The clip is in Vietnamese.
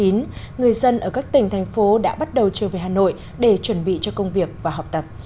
người dân ở các tỉnh thành phố đã bắt đầu trở về hà nội để chuẩn bị cho công việc và học tập